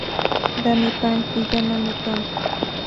Dame pan y llámame tonto